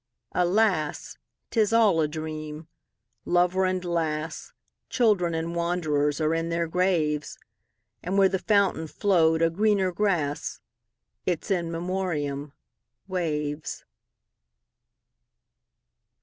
Alas! 't is all a dream. Lover and lass, Children and wanderers, are in their graves; And where the fountain flow'd a greener grass—Its In Memoriam—waves.